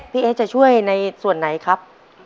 พี่เอ๊จะช่วยในส่วนไหนครับ